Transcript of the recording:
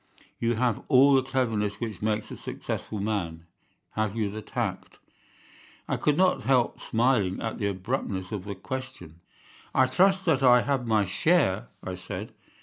You have all the cleverness which makes a successful man. Have you the tact?' "I could not help smiling at the abruptness of the question. "'I trust that I have my share,' I said.